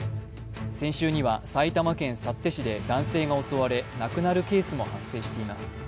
先週には埼玉県幸手市で男性が襲われ亡くなるケースも発生しています。